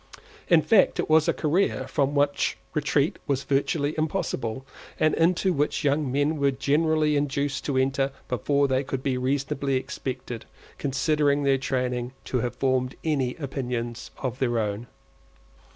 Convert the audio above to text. In fact it was a career from which retreat was virtually impossible, and into which young men were generally induced to enter before they could be reasonably expected, considering their training, to have formed any opinions of their own.